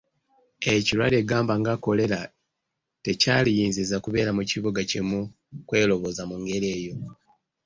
Ekirwadde gamba nga kkolera, tekyaliyinzizza kubeera mu kibuga kimu kweroboza mu ngeri eyo.